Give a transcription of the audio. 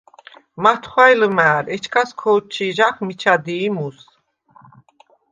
მათხუ̂ა̈ჲ ლჷმა̄̈რ, ეჩქას ქო̄თჩი̄ჟახ მიჩა დი ი მუს.